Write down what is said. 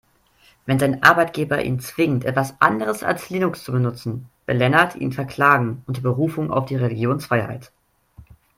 Wenn sein Arbeitgeber ihn zwingt, etwas anderes als Linux zu benutzen, will Lennart ihn verklagen, unter Berufung auf die Religionsfreiheit.